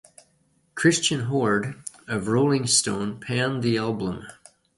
Christian Hoard of "Rolling Stone" panned the album.